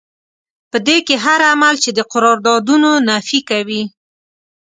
په دې کې هر عمل چې د قراردادونو نفي کوي.